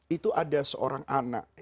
itu ada seorang anak